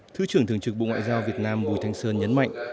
thứ trưởng thường trực bộ ngoại giao việt nam bùi thanh sơn nhấn mạnh